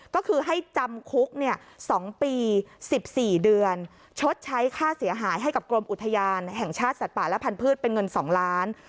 ก็คือให้จำคุก๒ปี๑๔เดือนชดใช้ค่าเสียหายให้กับกรมอุทยานแห่งชาติสัตว์ป่าและพันธุ์เป็นเงิน๒ล้าน